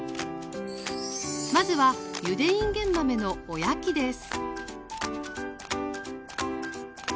まずはゆでいんげん豆のお焼きです